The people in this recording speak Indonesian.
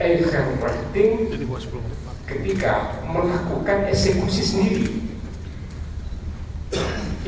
jika melakukan eksekusi sendiri